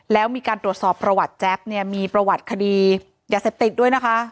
แล้วมีการตรวจสอบประวัติแจ๊บเนี่ยมีประวัติคดียาเสพติดด้วยนะคะ